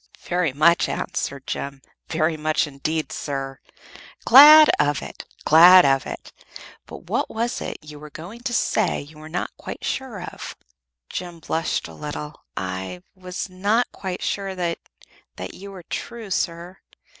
"Very much," answered Jem; "very much, indeed, sir." "Glad of it! Glad of it! But what was it you were going to say you were not quite sure of?" Jem blushed a little. "I was not quite sure that that you were true, sir.